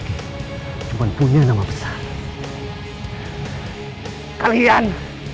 kalau jalanan terminal pasar